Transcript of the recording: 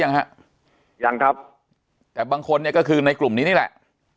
ยังฮะยังครับแต่บางคนเนี่ยก็คือในกลุ่มนี้นี่แหละ